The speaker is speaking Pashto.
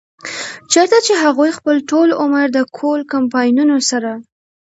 چرته چې هغوي خپل ټول عمر د کول کمپنيانو سره